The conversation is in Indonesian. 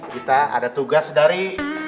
kita ada tugas dari